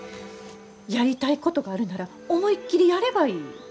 やりたいことがあるなら思いっきりやればいい。